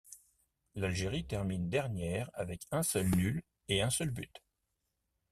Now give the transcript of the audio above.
L'Algérie termine dernière avec un seul nul et un seul but.